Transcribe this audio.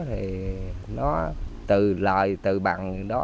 thì nó từ lợi từ bằng đó